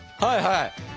はいはい。